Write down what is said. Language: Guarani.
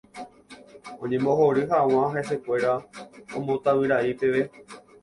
Oñembohory hag̃ua hesekuéra ombotavyrai peve.